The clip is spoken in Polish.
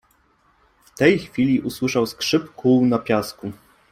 W tej chwili usłyszał skrzyp kół na piasku.